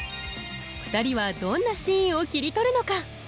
２人はどんなシーンを切り取るのか？